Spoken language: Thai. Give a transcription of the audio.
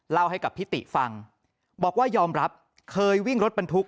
เล่าให้กับพิติฟังบอกว่ายอมรับเคยวิ่งรถบรรทุก